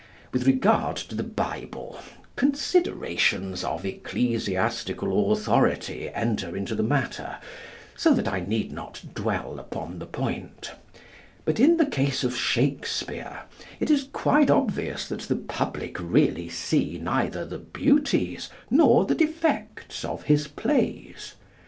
With regard to the Bible, considerations of ecclesiastical authority enter into the matter, so that I need not dwell upon the point. But in the case of Shakespeare it is quite obvious that the public really see neither the beauties nor the defects of his plays.